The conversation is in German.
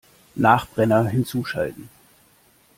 Nachbrenner hinzuschalten!